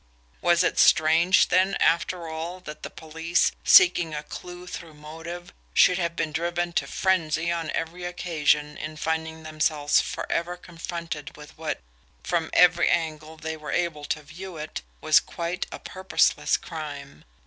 Was it strange, then, after all, that the police, seeking a clew through motive, should have been driven to frenzy on every occasion in finding themselves forever confronted with what, from every angle they were able to view it, was quite a purposeless crime!